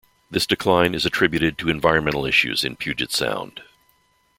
This decline is attributed to environmental issues in Puget Sound.